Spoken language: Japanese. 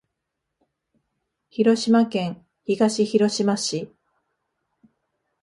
広島県東広島市